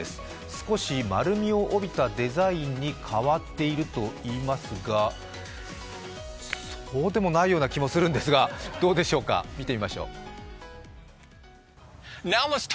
少し丸みを帯びたデザインに変わっていると言いますが、そうでもないような気がするんですがどうでしょうか、見てみましょう。